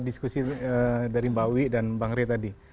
diskusi dari mba wi dan bang rie tadi